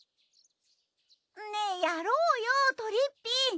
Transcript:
ねえやろうよとりっぴい